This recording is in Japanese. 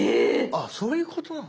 あっそういうことなの？